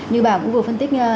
như bà cũng vừa phân tích